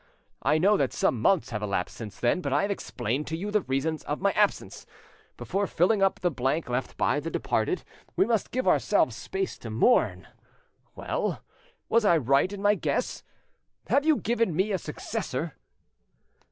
I know that some months have elapsed since then, but I have explained to you the reason of my absence. Before filling up the blank left by the departed we must give ourselves space to mourn. Well, was I right in my guess? Have you given me a successor?"